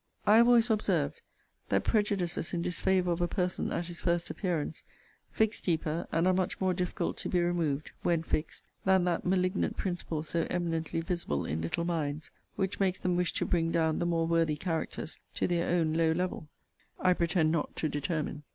I have always observed, that prejudices in disfavour of a person at his first appearance, fix deeper, and are much more difficult to be removed when fixed, than that malignant principle so eminently visible in little minds, which makes them wish to bring down the more worthy characters to their own low level, I pretend not to determine.